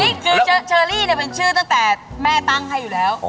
นี่คือเชอรี่เนี่ยเป็นชื่อตั้งแต่แม่ตั้งให้อยู่แล้ว